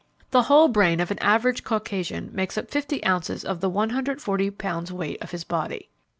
The whole brain of an average Caucasian makes up fifty ounces of the 140 pounds weight of his body.